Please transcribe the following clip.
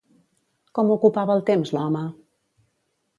Com ocupava el temps l'home?